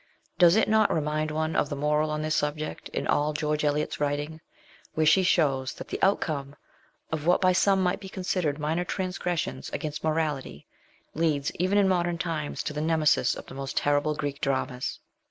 Does it not remind one of the moral on this subject in all George Eliot's writing, where she shows that the outcome of what by some might be considered minor transgressions against morality leads even in modern times to the Nemesis of the most terrible Greek Dramas